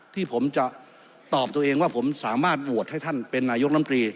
ที่ผมจะตอบตัวเองว่าผมสามารถโหวตให้ท่านเป็นนายกรรมตรี